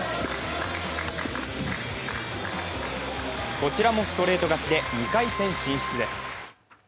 こちらもストレート勝ちで２回戦進出です。